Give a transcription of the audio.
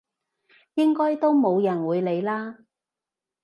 應該都冇人會理啦！